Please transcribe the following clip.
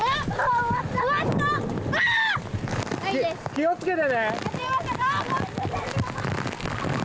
気を付けてね！